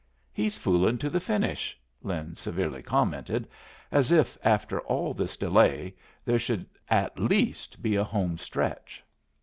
He's fooling to the finish," Lin severely commented, as if, after all this delay, there should at least be a homestretch.